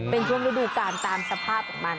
เป็นช่วงฤดูการตามสภาพของมัน